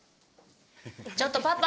ちょっとパパ！